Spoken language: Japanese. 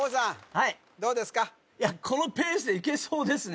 はいいやこのペースでいけそうですね